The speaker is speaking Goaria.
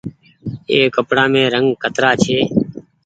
ايِ ڪپڙآ مين رنگ ڪترآ ڇي۔